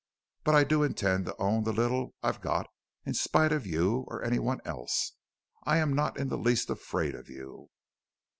But I do intend to own the little I've got in spite of you or anyone else. I am not in the least afraid of you.